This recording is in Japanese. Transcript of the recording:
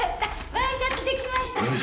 ワイシャツできました。